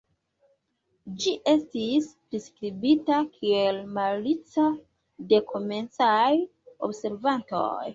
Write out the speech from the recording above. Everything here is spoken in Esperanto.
Ĝi estis priskribita kiel "malica" de komencaj observantoj.